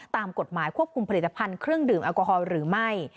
ตามกฎหมายควบคุมผลิตภัณฑ์เครื่องดื่มแอลกอฮอล์หรือไม่